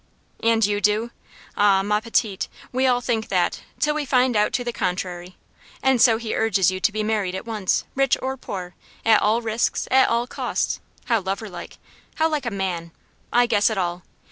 "And you do? Ah! ma petite, we all think that, till we find out to the contrary. And so he urges you to be married at once rich or poor at all risks, at all costs? How lover like how like a man! I guess it all.